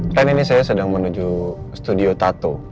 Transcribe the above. tren ini saya sedang menuju studio tato